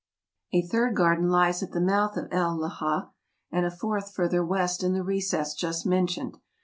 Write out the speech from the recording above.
A third garden lies at the mouth of El Leja, and a fourth further west in the recess just men¬ tioned.